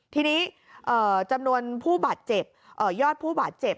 ทีนี้จำนวนผู้บาดเจ็บยอดผู้บาดเจ็บ